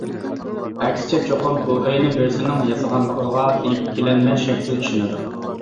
ئەكسىچە چوقۇم بۇ ئۆينى بىرسىنىڭ ياسىغانلىقىغا ئىككىلەنمەي شەكسىز ئىشىنىدۇ.